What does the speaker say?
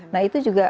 nah itu juga